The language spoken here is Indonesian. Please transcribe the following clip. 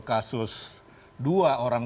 kasus dua orang